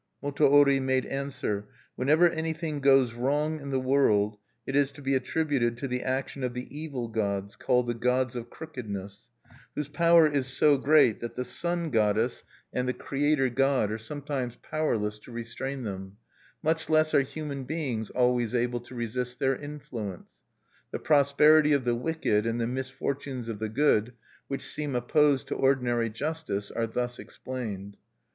Motowori made answer; "Whenever anything goes wrong in the world, it is to be attributed to the action of the evil gods called the Gods of Crookedness, whose power is so great that the Sun Goddess and the Creator God are sometimes powerless to restrain them; much less are human beings always able to resist their influence. The prosperity of the wicked, and the misfortunes of the good, which seem opposed to ordinary justice, are thus explained."